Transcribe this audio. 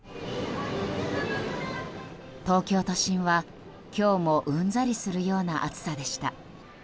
東京都心は今日もうんざりするような暑さでした。